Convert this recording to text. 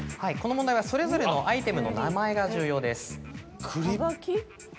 この問題はそれぞれのアイテムの名前が重要です。